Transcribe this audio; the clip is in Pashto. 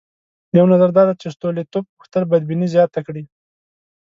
یو نظر دا دی چې ستولیتوف غوښتل بدبیني زیاته کړي.